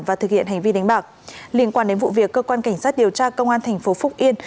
và thực hiện hành vi đánh bạc liên quan đến vụ việc cơ quan cảnh sát điều tra công an thành phố phúc yên